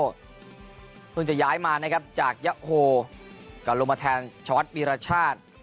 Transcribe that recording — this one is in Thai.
เขาจังหวังจะย้ายมาจะหักยะโฮจะรุมแทนชอตปิรชาติ